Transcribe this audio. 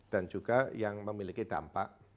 dan juga yang memiliki dampak